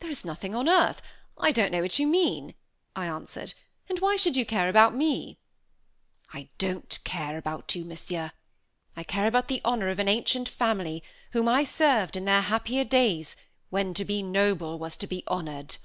"There is nothing on earth I don't know what you mean," I answered, "and why should you care about me?" "I don't care about you, Monsieur I care about the honor of an ancient family, whom I served in their happier days, when to be noble was to be honored.